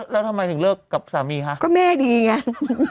แล้วทำไมถึงเลิกกับสามีคะก็แม่ดีไง